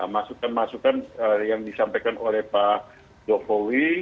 masukan masukan yang disampaikan oleh pak jokowi